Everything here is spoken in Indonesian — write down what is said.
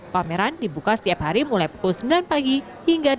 pameran dibuka setiap hari mulai pukul sembilan pagi hingga dua puluh